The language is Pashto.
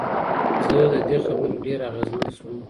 زه له دې خبرې ډېر اغېزمن شوم.